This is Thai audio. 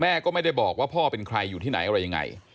ก็ไม่ได้บอกว่าพ่อเป็นใครอยู่ที่ไหนอะไรยังไง